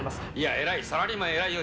えらい、サラリーマンえらいよ。